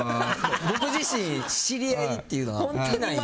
僕自身、知り合いっていうのはいないんすよ。